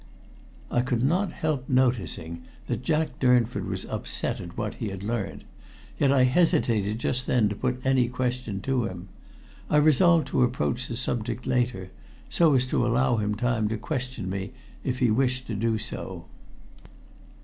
I could not help noticing that Jack Durnford was upset at what he had learnt, yet I hesitated just then to put any question to him. I resolved to approach the subject later, so as to allow him time to question me if he wished to do so.